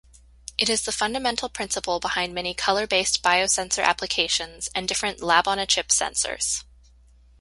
It is the fundamental principle behind many color-based biosensor applications and different lab-on-a-chip sensors.